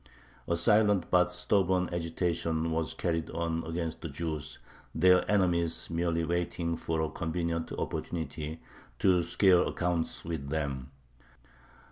A silent but stubborn agitation was carried on against the Jews, their enemies merely waiting for a convenient opportunity to square accounts with them.